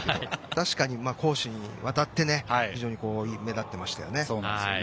確かに攻守にわたって非常に目立っていましたよね。